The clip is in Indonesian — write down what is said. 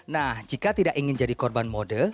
nah jika tidak ingin jadi korban mode